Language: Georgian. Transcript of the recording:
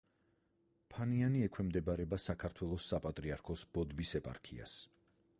ფანიანი ექვემდებარება საქართველოს საპატრიარქოს ბოდბის ეპარქიას.